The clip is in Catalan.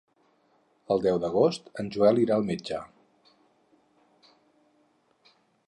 El deu d'agost en Joel irà al metge.